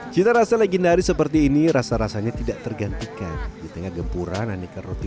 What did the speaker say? cita rasa legendaris seperti ini rasa rasanya tidak tergantikan di tengah gempuran aneka roti